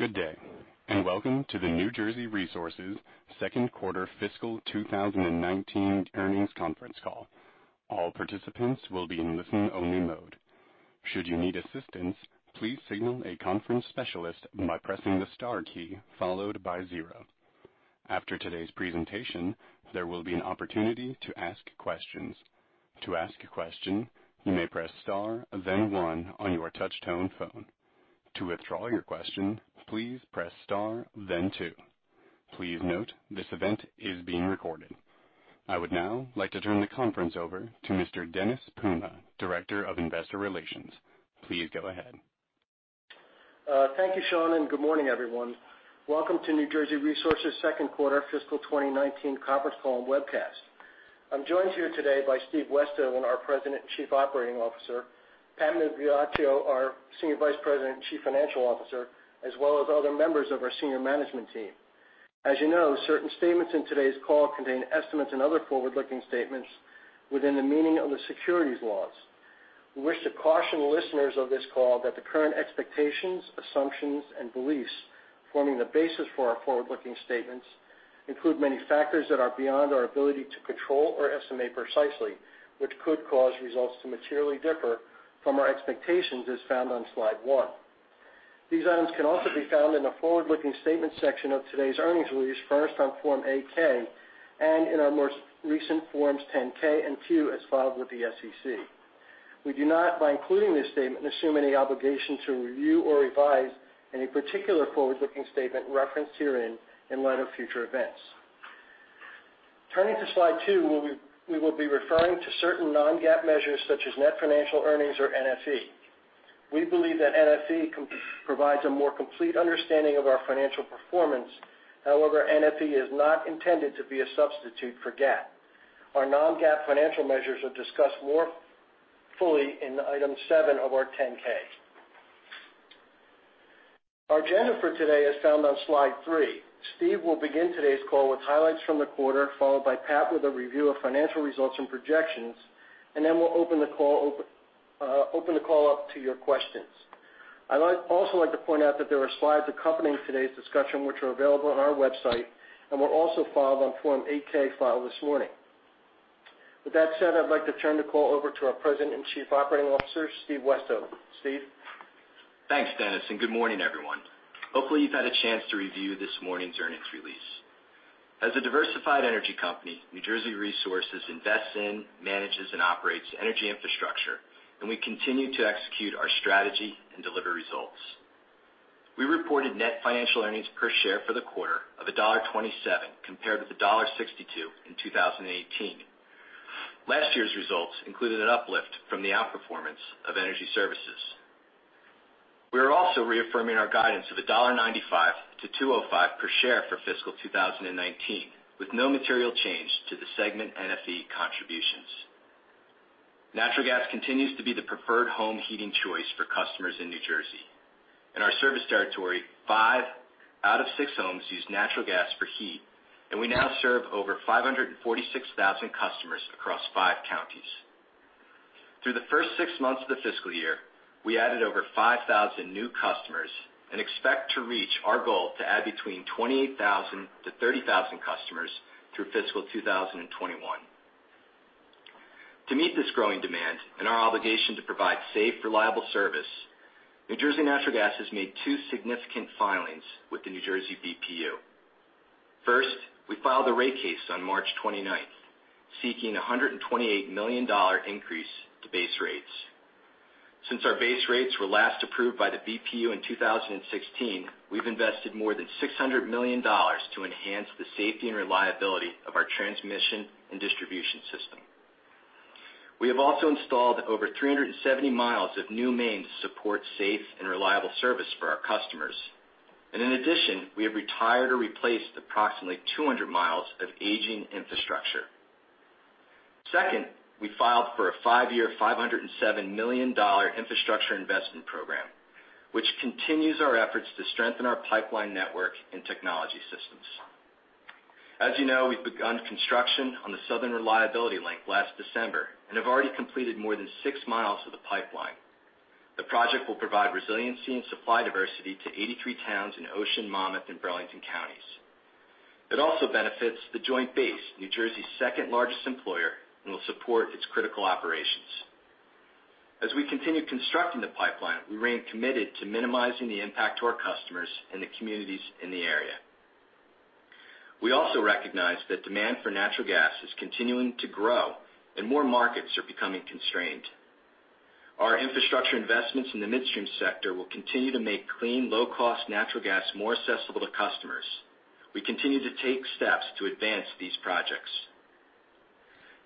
Good day. Welcome to the New Jersey Resources second quarter fiscal 2019 earnings conference call. All participants will be in listen-only mode. Should you need assistance, please signal a conference specialist by pressing the star key followed by zero. After today's presentation, there will be an opportunity to ask questions. To ask a question, you may press star then one on your touch-tone phone. To withdraw your question, please press star then two. Please note, this event is being recorded. I would now like to turn the conference over to Mr. Dennis Puma, Director of Investor Relations. Please go ahead. Thank you, Sean. Good morning, everyone. Welcome to New Jersey Resources second quarter fiscal 2019 conference call and webcast. I'm joined here today by Steve Westhoven, our President and Chief Operating Officer, Pat Migliaccio, our Senior Vice President and Chief Financial Officer, as well as other members of our senior management team. As you know, certain statements in today's call contain estimates and other forward-looking statements within the meaning of the securities laws. We wish to caution listeners of this call that the current expectations, assumptions, and beliefs forming the basis for our forward-looking statements include many factors that are beyond our ability to control or estimate precisely, which could cause results to materially differ from our expectations, as found on slide one. These items can also be found in the forward-looking statements section of today's earnings release, first on Form 8-K, and in our most recent Forms 10-K and 10-Q, as filed with the SEC. We do not, by including this statement, assume any obligation to review or revise any particular forward-looking statement referenced herein in light of future events. Turning to slide two, we will be referring to certain non-GAAP measures such as net financial earnings, or NFE. We believe that NFE provides a more complete understanding of our financial performance. However, NFE is not intended to be a substitute for GAAP. Our non-GAAP financial measures are discussed more fully in item seven of our 10-K. Our agenda for today is found on slide three. Steve will begin today's call with highlights from the quarter, followed by Pat with a review of financial results and projections. Then we'll open the call up to your questions. I'd also like to point out that there are slides accompanying today's discussion, which are available on our website and were also filed on Form 8-K filed this morning. With that said, I'd like to turn the call over to our President and Chief Operating Officer, Steve Westhoven. Steve? Thanks, Dennis, and good morning, everyone. Hopefully, you've had a chance to review this morning's earnings release. As a diversified energy company, New Jersey Resources invests in, manages, and operates energy infrastructure, and we continue to execute our strategy and deliver results. We reported net financial earnings per share for the quarter of $1.27, compared with $1.62 in 2018. Last year's results included an uplift from the outperformance of energy services. We are also reaffirming our guidance of $1.95 to $2.05 per share for fiscal 2019, with no material change to the segment NFE contributions. Natural gas continues to be the preferred home heating choice for customers in New Jersey. In our service territory, five out of six homes use natural gas for heat, and we now serve over 546,000 customers across five counties. Through the first six months of the fiscal year, we added over 5,000 new customers and expect to reach our goal to add between 28,000 to 30,000 customers through fiscal 2021. To meet this growing demand and our obligation to provide safe, reliable service, New Jersey Natural Gas has made two significant filings with the New Jersey BPU. First, we filed a rate case on March 29th, seeking $128 million increase to base rates. Since our base rates were last approved by the BPU in 2016, we've invested more than $600 million to enhance the safety and reliability of our transmission and distribution system. We have also installed over 370 miles of new mains to support safe and reliable service for our customers. In addition, we have retired or replaced approximately 200 miles of aging infrastructure. Second, we filed for a five-year, $507 million Infrastructure Investment Program, which continues our efforts to strengthen our pipeline network and technology systems. As you know, we've begun construction on the Southern Reliability Link last December and have already completed more than six miles of the pipeline. The project will provide resiliency and supply diversity to 83 towns in Ocean, Monmouth, and Burlington counties. It also benefits the Joint Base, New Jersey's second-largest employer, and will support its critical operations. As we continue constructing the pipeline, we remain committed to minimizing the impact to our customers and the communities in the area. We also recognize that demand for natural gas is continuing to grow, and more markets are becoming constrained. Our infrastructure investments in the midstream sector will continue to make clean, low-cost natural gas more accessible to customers. We continue to take steps to advance these projects.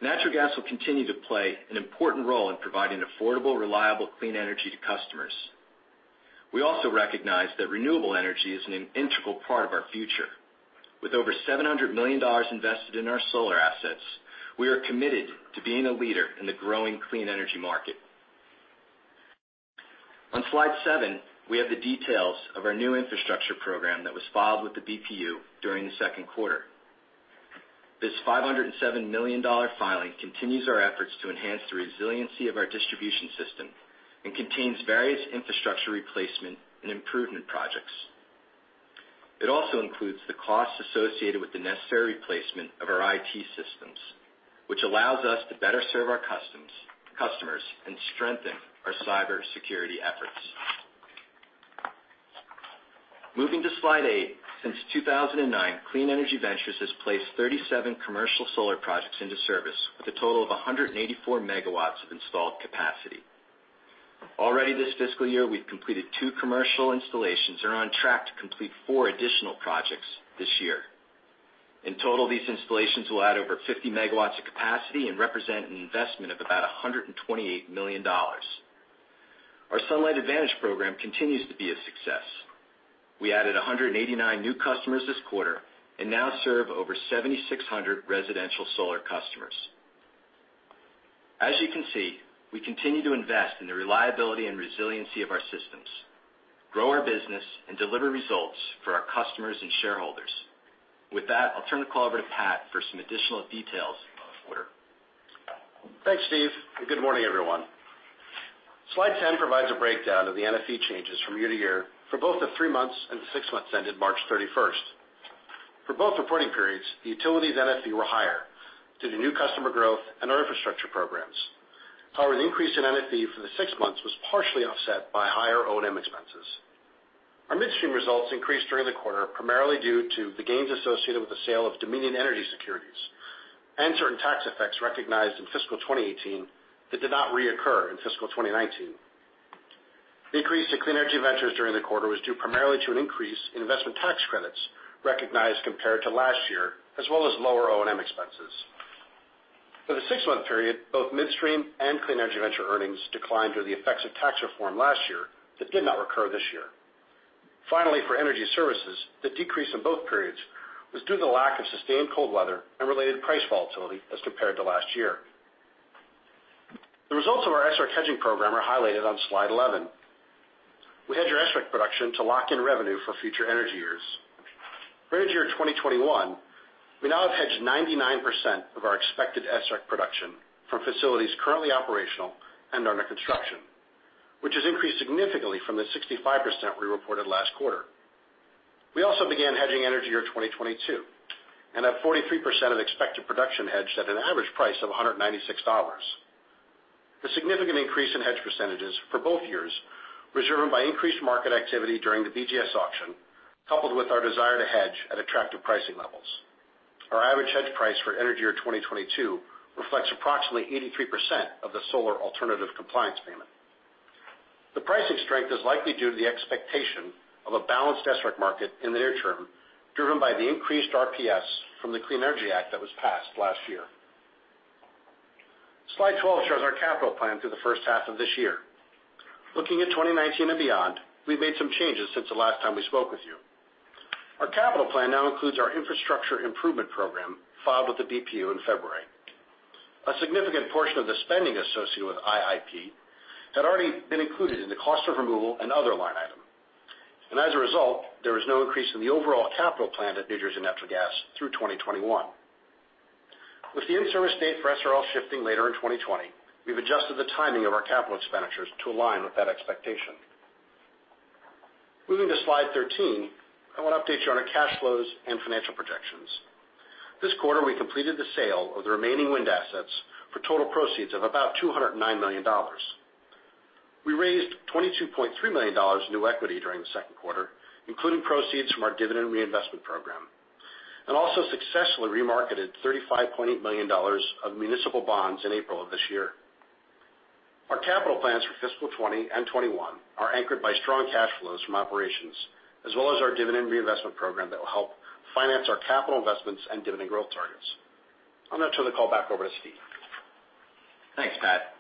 Natural gas will continue to play an important role in providing affordable, reliable clean energy to customers. We also recognize that renewable energy is an integral part of our future. With over $700 million invested in our solar assets, we are committed to being a leader in the growing clean energy market. On slide seven, we have the details of our new Infrastructure Investment Program that was filed with the BPU during the second quarter. This $507 million filing continues our efforts to enhance the resiliency of our distribution system and contains various infrastructure replacement and improvement projects. It also includes the costs associated with the necessary replacement of our IT systems, which allows us to better serve our customers and strengthen our cybersecurity efforts. Moving to slide eight, since 2009, Clean Energy Ventures has placed 37 commercial solar projects into service with a total of 184 megawatts of installed capacity. Already this fiscal year, we've completed two commercial installations and are on track to complete four additional projects this year. In total, these installations will add over 50 megawatts of capacity and represent an investment of about $128 million. Our Sunlight Advantage program continues to be a success. We added 189 new customers this quarter and now serve over 7,600 residential solar customers. As you can see, we continue to invest in the reliability and resiliency of our systems, grow our business, and deliver results for our customers and shareholders. With that, I'll turn the call over to Pat for some additional details for the quarter. Thanks, Steve, and good morning, everyone. Slide 10 provides a breakdown of the NFE changes from year-to-year for both the three months and the six months ended March 31st. For both reporting periods, the utilities NFE were higher due to new customer growth and our infrastructure programs. However, the increase in NFE for the six months was partially offset by higher O&M expenses. Our Midstream results increased during the quarter, primarily due to the gains associated with the sale of Dominion Energy securities and certain tax effects recognized in fiscal 2018 that did not reoccur in fiscal 2019. The increase in NJR Clean Energy Ventures during the quarter was due primarily to an increase in investment tax credits recognized compared to last year, as well as lower O&M expenses. For the six-month period, both Midstream and NJR Clean Energy Ventures earnings declined due to the effects of tax reform last year that did not recur this year. Finally, for NJR Energy Services, the decrease in both periods was due to the lack of sustained cold weather and related price volatility as compared to last year. The results of our SREC hedging program are highlighted on Slide 11. We hedge our SREC production to lock in revenue for future energy years. For energy year 2021, we now have hedged 99% of our expected SREC production from facilities currently operational and under construction, which has increased significantly from the 65% we reported last quarter. We also began hedging energy year 2022 and have 43% of expected production hedged at an average price of $196. The significant increase in hedge percentages for both years was driven by increased market activity during the BGS auction, coupled with our desire to hedge at attractive pricing levels. Our average hedge price for energy year 2022 reflects approximately 83% of the Solar Alternative Compliance Payment. The pricing strength is likely due to the expectation of a balanced SREC market in the near term, driven by the increased RPS from the Clean Energy Act that was passed last year. Slide 12 shows our capital plan through the first half of this year. Looking at 2019 and beyond, we've made some changes since the last time we spoke with you. Our capital plan now includes our Infrastructure Investment Program filed with the BPU in February. A significant portion of the spending associated with IIP had already been included in the cost of removal and other line item. As a result, there was no increase in the overall capital plan at New Jersey Natural Gas through 2021. With the in-service date for SRL shifting later in 2020, we've adjusted the timing of our capital expenditures to align with that expectation. Moving to slide 13, I want to update you on our cash flows and financial projections. This quarter, we completed the sale of the remaining wind assets for total proceeds of about $209 million. We raised $22.3 million in new equity during the second quarter, including proceeds from our dividend reinvestment program, and also successfully remarketed $35.8 million of municipal bonds in April of this year. Our capital plans for fiscal 2020 and 2021 are anchored by strong cash flows from operations, as well as our dividend reinvestment program that will help finance our capital investments and dividend growth targets. I'll now turn the call back over to Steve. Thanks, Pat.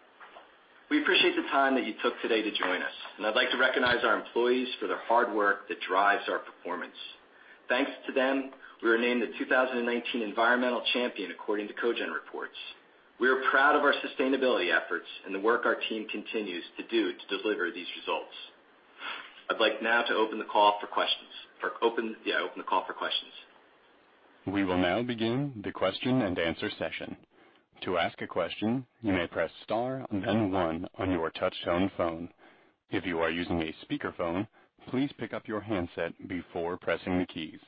We appreciate the time that you took today to join us, and I'd like to recognize our employees for their hard work that drives our performance. Thanks to them, we were named the 2019 Environmental Champion according to Cogent Reports. We are proud of our sustainability efforts and the work our team continues to do to deliver these results. I'd like now to open the call for questions. We will now begin the question and answer session. To ask a question, you may press star one on your touchtone phone. If you are using a speakerphone, please pick up your handset before pressing the keys.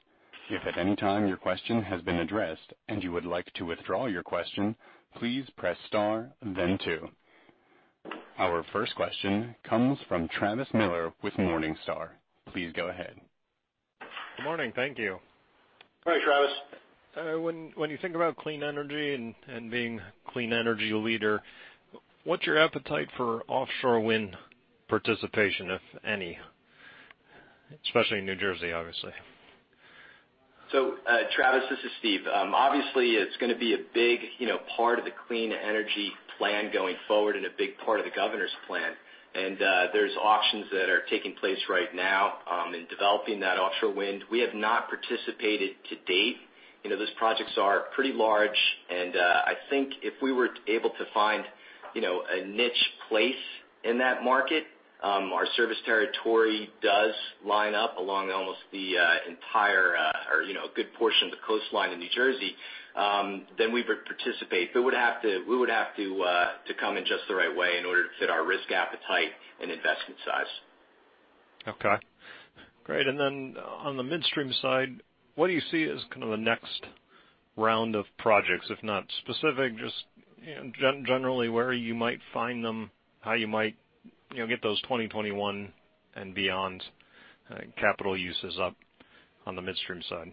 If at any time your question has been addressed and you would like to withdraw your question, please press star two. Our first question comes from Travis Miller with Morningstar. Please go ahead. Good morning. Thank you. Hi, Travis. When you think about clean energy and being a clean energy leader, what's your appetite for offshore wind participation, if any? Especially in New Jersey, obviously. Travis, this is Steve. Obviously, it's going to be a big part of the clean energy plan going forward and a big part of the governor's plan. There's auctions that are taking place right now in developing that offshore wind. We have not participated to date. Those projects are pretty large, and I think if we were able to find a niche place in that market. Our service territory does line up along almost the entire, or a good portion of the coastline of New Jersey, then we would participate. We would have to come in just the right way in order to fit our risk appetite and investment size. Okay, great. On the midstream side, what do you see as kind of the next round of projects, if not specific, just generally where you might find them, how you might get those 2021 and beyond capital uses up on the midstream side?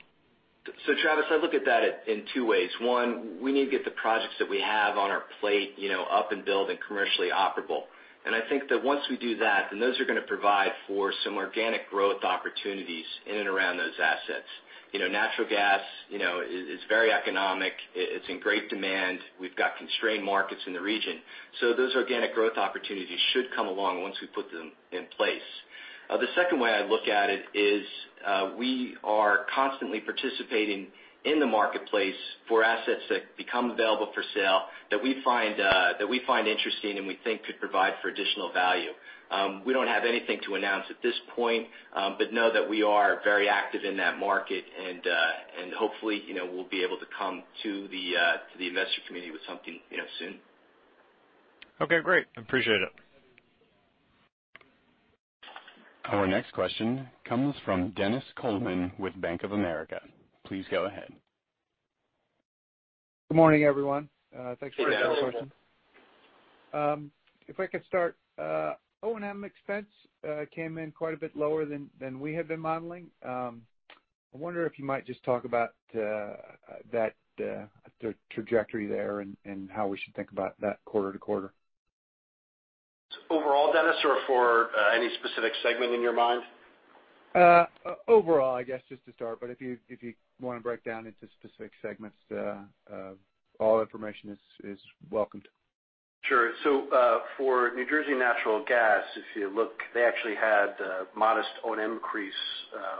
Travis, I look at that in two ways. One, we need to get the projects that we have on our plate up and build and commercially operable. I think that once we do that, then those are going to provide for some organic growth opportunities in and around those assets. Natural gas is very economic. It's in great demand. We've got constrained markets in the region. Those organic growth opportunities should come along once we put them in place. The second way I look at it is we are constantly participating in the marketplace for assets that become available for sale that we find interesting and we think could provide for additional value. We don't have anything to announce at this point. Know that we are very active in that market and hopefully, we'll be able to come to the investor community with something soon. Okay, great. Appreciate it. Our next question comes from Dennis Coleman with Bank of America. Please go ahead. Good morning, everyone. Thanks for taking my question. If I could start, O&M expense came in quite a bit lower than we had been modeling. I wonder if you might just talk about that trajectory there and how we should think about that quarter-to-quarter. Overall, Dennis, or for any specific segment in your mind? Overall, I guess, just to start. If you want to break down into specific segments, all information is welcomed. Sure. For New Jersey Natural Gas, if you look, they actually had a modest O&M increase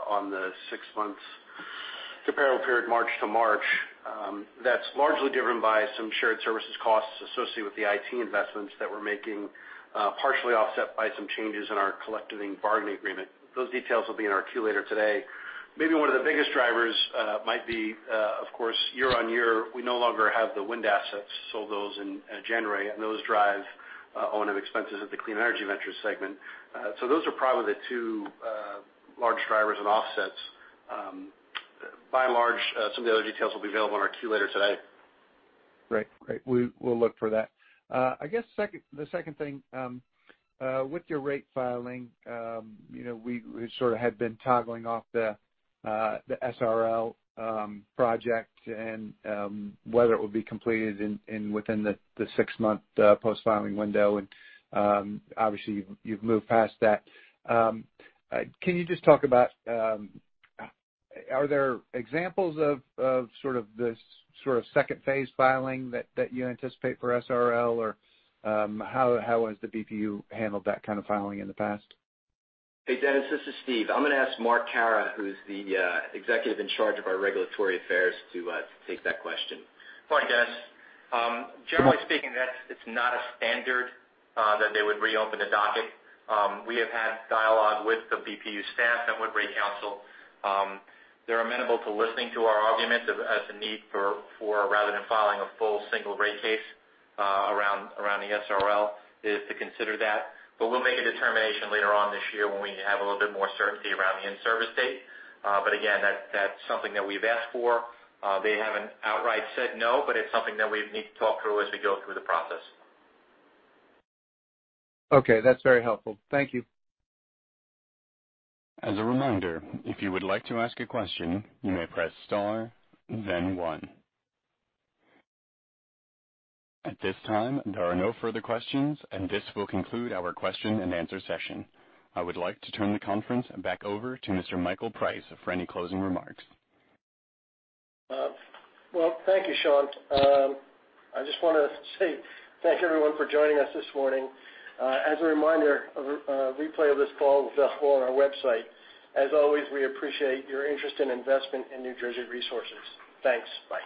on the six months comparable period, March to March. That's largely driven by some shared services costs associated with the IT investments that we're making, partially offset by some changes in our collective bargaining agreement. Those details will be in our Q later today. Maybe one of the biggest drivers might be, of course, year-on-year, we no longer have the wind assets, sold those in January, and those drive O&M expenses at the NJR Clean Energy Ventures segment. Those are probably the two large drivers and offsets. By and large, some of the other details will be available on our Q later today. Great. We'll look for that. I guess the second thing, with your rate filing, we sort of had been toggling off the SRL project and whether it would be completed within the six-month post-filing window. Obviously, you've moved past that. Can you just talk about are there examples of sort of this sort of second-phase filing that you anticipate for SRL, or how has the BPU handled that kind of filing in the past? Hey, Dennis, this is Steve. I'm going to ask Mark Kahrer, who's the executive in charge of our regulatory affairs, to take that question. Hi, Dennis. Generally speaking, it's not a standard that they would reopen a docket. We have had dialogue with the BPU staff and with rate counsel. They're amenable to listening to our arguments as a need for rather than filing a full single rate case around the SRL is to consider that. We'll make a determination later on this year when we have a little bit more certainty around the in-service date. Again, that's something that we've asked for. They haven't outright said no, but it's something that we need to talk through as we go through the process. Okay, that's very helpful. Thank you. As a reminder, if you would like to ask a question, you may press star, then one. At this time, there are no further questions, and this will conclude our question and answer session. I would like to turn the conference back over to Mr. Stephen Westhoven for any closing remarks. Well, thank you, Sean. I just want to say thank you everyone for joining us this morning. As a reminder, a replay of this call is available on our website. As always, we appreciate your interest and investment in New Jersey Resources. Thanks. Bye.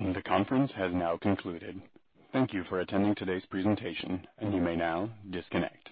The conference has now concluded. Thank you for attending today's presentation, and you may now disconnect.